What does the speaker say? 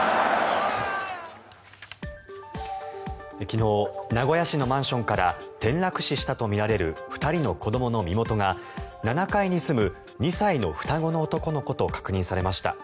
昨日名古屋市のマンションから転落死したとみられる２人の子どもの身元が７階に住む２歳の双子の男の子と確認されました。